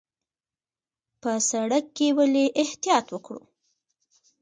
په سړک کې ولې احتیاط وکړو؟